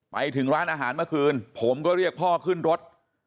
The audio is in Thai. ไปถึงร้านอาหารเมื่อคืนผมก็เรียกพ่อขึ้นรถ